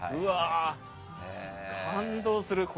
感動する。